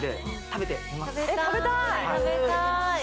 食べたい！